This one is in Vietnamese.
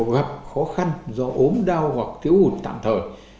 gặp khó khăn do ốm đau hoặc thiếu hụt tạm thời